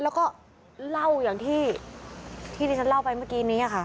แล้วก็เล่าอย่างที่ที่ฉันเล่าไปเมื่อกี้นี้ค่ะ